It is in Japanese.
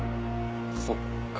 そっか。